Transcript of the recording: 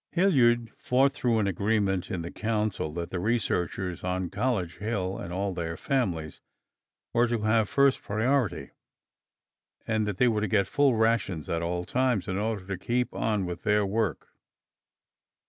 Hilliard fought through an agreement in the Council that the researchers on College Hill, and all their families, were to have first priority, and that they were to get full rations at all times in order to keep on with their work.